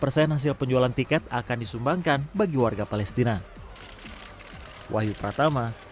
dua puluh persen hasil penjualan tiket akan disumbangkan bagi warga palestina